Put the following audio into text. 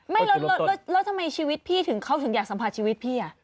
ไม่แล้วทำไมชีวิตพี่ถึงเขาถึงอยากสัมผัสชีวิตพี่